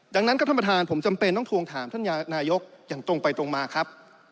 ดังนั้นครับท่านประธานผมจำเป็นต้องทวงถามท่านนายกอย่างตรงไปตรงมาครับ